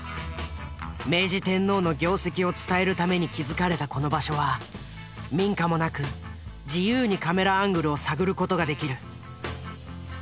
明治天皇の業績を伝えるために築かれたこの場所は民家もなく自由にカメラアングルを探る事ができる。